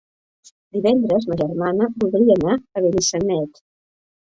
Divendres ma germana voldria anar a Benissanet.